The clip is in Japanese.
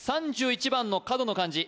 ３１番の角の漢字